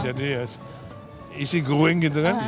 jadi ya easy going gitu kan